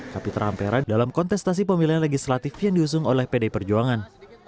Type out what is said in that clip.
kapitra ampera dalam kontestasi pemilihan legislatif yang diusung oleh pdi perjuangan